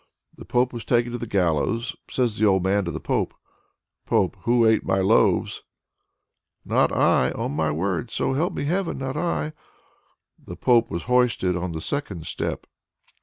The Pope was taken to the gallows. Says the old man to the Pope: "Pope! who ate my loaves?" "Not I, on my word! So help me Heaven, not I!" The Pope was hoisted on to the second step.